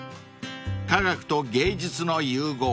［科学と芸術の融合］